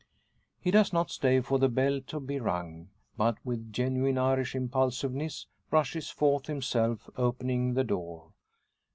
He does not stay for the bell to be rung, but with genuine Irish impulsiveness rushes forth, himself opening the door.